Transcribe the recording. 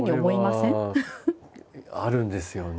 それはあるんですよね。